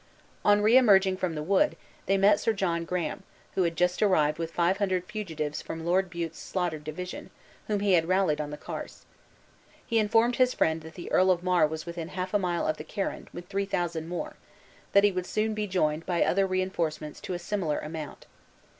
On re emerging from the wood, they met Sir John Graham, who had just arrived with five hundred fugitives from Lord Bute's slaughtered division, whom he had rallied on the carse. He informed his friend that the Earl of Mar was within half a mile of the Carron, with three thousand more; and, that he would soon be joined by other re enforcements to a similar amount.